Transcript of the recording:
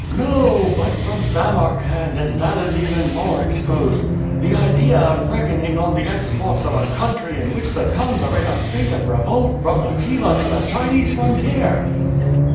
"No, but from Samarcand, and that is even more exposed. The idea of reckoning on the exports of a country in which the khans are in a state of revolt from Khiva to the Chinese frontier!"